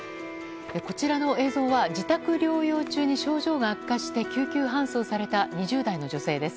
こちらの映像は自宅療養中に症状が悪化して救急搬送された２０代の女性です。